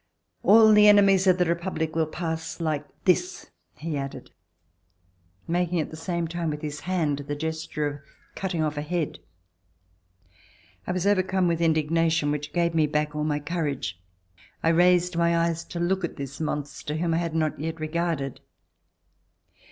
... All the ene mies of the Republic will pass like this," he added, making at the same time Xvith his hand the gesture of cutting off a head. I was overcome with indignation which gave me back all my courage. I raised my eyes to look at this monster whom I had not yet regarded.